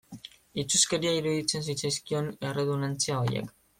Itsuskeria iruditzen zitzaizkion erredundantzia haiek.